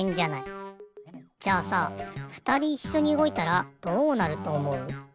じゃあさふたりいっしょにうごいたらどうなるとおもう？